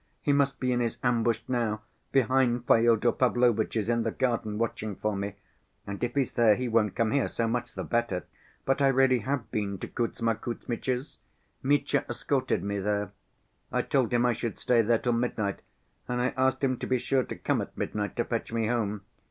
He must be in his ambush now, behind Fyodor Pavlovitch's, in the garden, watching for me. And if he's there, he won't come here, so much the better! But I really have been to Kuzma Kuzmitch's, Mitya escorted me there. I told him I should stay there till midnight, and I asked him to be sure to come at midnight to fetch me home.